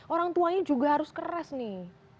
orang tuanya juga harus keras nih